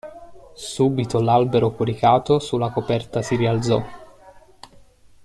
Subito l'albero coricato su la coperta si rialzò.